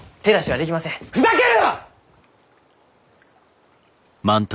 ふざけるな！